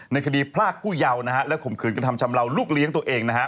ในคดีพรากผู้เยาว์นะฮะและข่มขืนกระทำชำเลาลูกเลี้ยงตัวเองนะฮะ